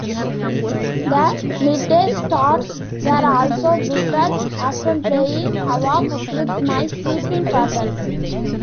The midday starts were also brutal, often playing havoc with my sleeping patterns.